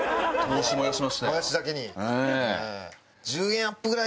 「もやし」だけに。